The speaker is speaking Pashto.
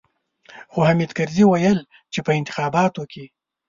خو حامد کرزي ويل چې په انتخاباتو کې.